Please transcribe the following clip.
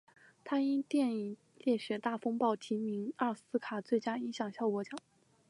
他因电影烈血大风暴提名奥斯卡最佳音响效果奖。